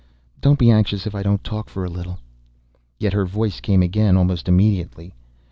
Don't be anxious if I don't talk for a little." Yet her voice came again almost immediately.